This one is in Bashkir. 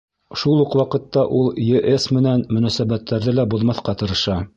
Шул уҡ ваҡытта ул ЕС менән мөнәсәбәттәрҙе лә боҙмаҫҡа тырыша.